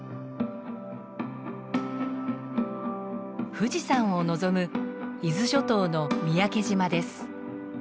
富士山を望む伊豆諸島の三宅島です。